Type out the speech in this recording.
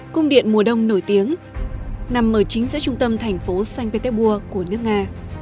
cung điện mùa đông nổi tiếng nằm ở chính giữa trung tâm thành phố sanh petepur của nước nga